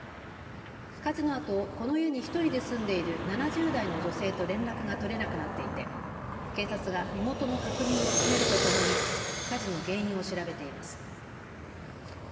火事のあと、この家に１人で住んでいる７０代の女性と連絡が取れなくなっていて警察が身元の確認を進めるとともに火事の原因を調べています。